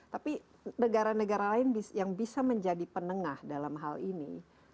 tapi negara negara lain yang bisa menjadi penengah dalam hal ini